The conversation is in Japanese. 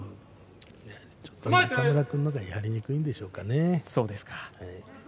ちょっと中村君のほうがやりにくいんでしょうかね。